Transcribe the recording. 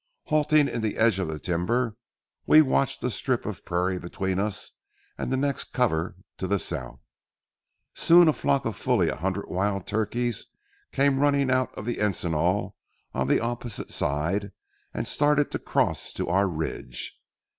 Halting in the edge of the timber, we watched the strip of prairie between us and the next cover to the south. Soon a flock of fully a hundred wild turkeys came running out of the encinal on the opposite side and started across to our ridge.